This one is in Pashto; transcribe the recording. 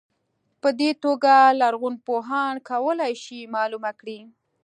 په دې توګه لرغونپوهان کولای شي معلومه کړي.